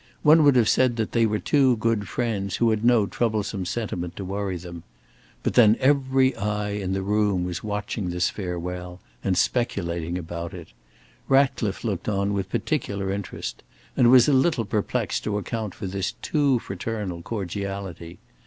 One would have said that they were two good friends who had no troublesome sentiment to worry them. But then every eye in the room was watching this farewell, and speculating about it. Ratcliffe looked on with particular interest and was a little perplexed to account for this too fraternal cordiality.